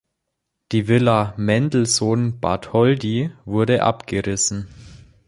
Die Villa Mendelssohn Bartholdy wurde abgerissen.